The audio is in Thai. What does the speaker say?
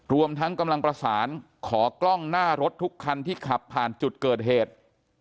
รวมทั้งกำลังประสานขอกล้องหน้ารถทุกคันที่ขับผ่านจุดเกิดเหตุ